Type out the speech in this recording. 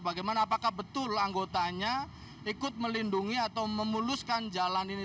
bagaimana apakah betul anggotanya ikut melindungi atau memuluskan jalan ini